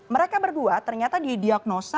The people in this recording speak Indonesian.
mereka berdua ternyata didiagnosa